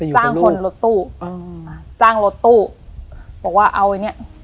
จ้างคนรถตู้อืมจ้างรถตู้บอกว่าเอาไอ้เนี้ย